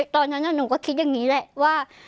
ตอนนั้นหนูก็คิดอย่างนี้แหละว่า